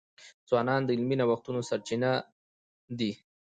ځوانان د علمي نوښتونو سرچینه دي.